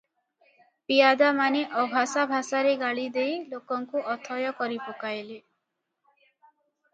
ପିଆଦାମାନେ ଅଭାଷା ଭାଷାରେ ଗାଳିଦେଇ ଲୋକଙ୍କୁ ଅଥୟ କରି ପକାଇଲେ ।